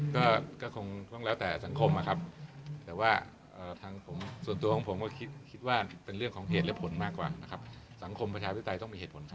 ก็คงต้องแล้วแต่สังคมนะครับแต่ว่าส่วนตัวของผมก็คิดว่าเป็นเรื่องของเหตุและผลมากกว่านะครับสังคมประชาธิปไตยต้องมีเหตุผล